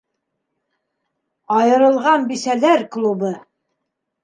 «Айырылған бисәләр клубы!»